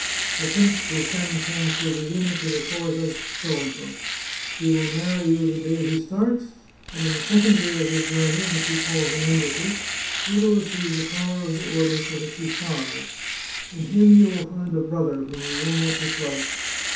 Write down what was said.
The prince will send Sanseverina to the court of . He will marry you the day he starts, and in the second year of his journey — which he calls an embassy — he will receive the collar of the order for which he sighs. In him you will find a brother, whom you will not dislike.